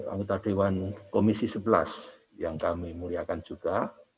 anggota dewan komisi sebelas yang kami muliakan juga